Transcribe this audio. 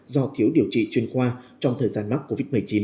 do thiếu điều trị chuyên khoa trong thời gian mắc covid một mươi chín